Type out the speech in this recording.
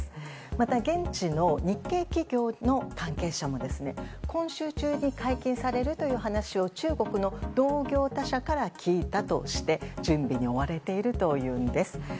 また、現地の日系企業の関係者も今週中に解禁されるという話を中国の同業他社から聞いたとして準備に追われているというんです。